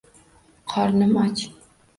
Qornim och.